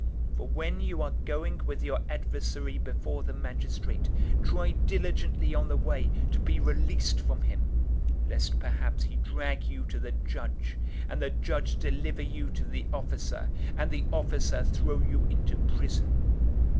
012:058 For when you are going with your adversary before the magistrate, try diligently on the way to be released from him, lest perhaps he drag you to the judge, and the judge deliver you to the officer, and the officer throw you into prison.